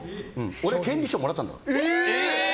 俺、権利書もらったんだから。